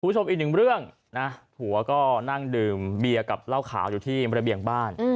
คุณผู้ชมอีกหนึ่งเรื่องนะผัวก็นั่งดื่มเบียร์กับเหล้าขาวอยู่ที่ระเบียงบ้าน